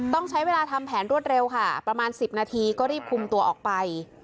ต้องใช้เวลาทำแผนรวดเร็วค่ะประมาณ๑๐นาทีก็รีบคุมตัวออกไป